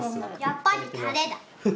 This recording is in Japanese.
やっぱりタレだ。